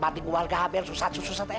banting bopal kabel susah susah